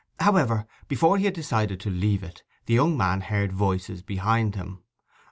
However, before he had decided to leave it, the young man heard voices behind him.